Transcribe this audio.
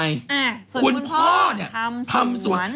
อ่าส่วนคุณพ่อเนี่ยทำสมวนคุณพ่อเนี่ยทำสมวน